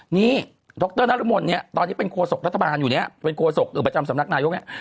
นี่ดรนรมนตร์เนี่ยตอนนี้เป็นโครโศกรัฐบาลอยู่เนี่ยเป็นโครโศกรัฐบาลประจำสำนักนายรัฐมนตรี